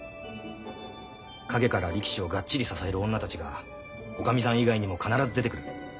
陰から力士をがっちり支える女たちがおかみさん以外にも必ず出てくる。